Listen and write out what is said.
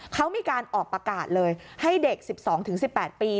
เขามีการออกประกาศเลยให้เด็ก๑๒๑๘ปี